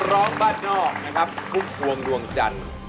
นับร้องบ้านนอกภูมิจันทร์